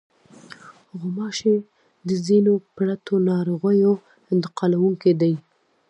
غوماشې د ځینو پرتو ناروغیو انتقالوونکې دي.